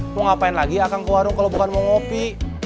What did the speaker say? mau ngapain lagi akan ke warung kalau bukan mau ngopi